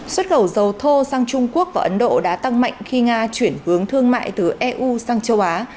xuất khẩu dầu thô sang trung quốc và ấn độ đã tăng mạnh khi nga chuyển hướng thương mại từ eu sang châu á